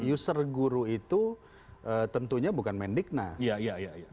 user guru itu tentunya bukan mendiknas